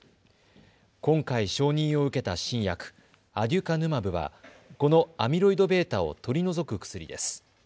今回承認を受けた新薬、アデュカヌマブはこのアミロイドβを取り除く薬です。